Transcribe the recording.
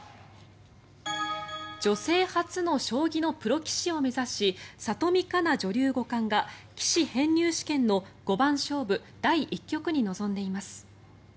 女性初の将棋のプロ棋士を目指し里見香奈女流五冠が棋士編入試験の五番勝負第１局に臨んでいます。